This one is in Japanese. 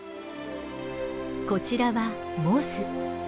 こちらはモズ。